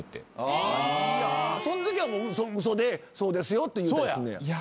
そのときは嘘でそうですよって言うたりすんねや。